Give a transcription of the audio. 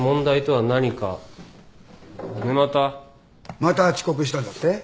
また遅刻したんだって？